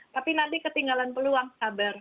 tapi nanti ketinggalan peluang sabar